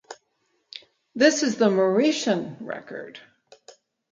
This is the Mauritian record.